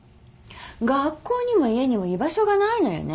学校にも家にも居場所がないのよね。